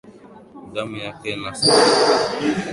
Damu yake na sadaka.